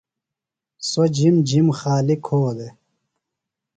سوۡ جِھم جِھم خالیۡ کھو دےۡ۔ ۔